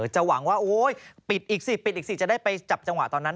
หวังว่าโอ๊ยปิดอีกสิปิดอีกสิจะได้ไปจับจังหวะตอนนั้น